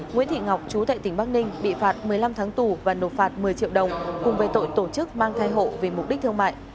nguyễn thị ngọc chú tại tỉnh bắc ninh bị phạt một mươi năm tháng tù và nộp phạt một mươi triệu đồng cùng với tội tổ chức mang thai hộ vì mục đích thương mại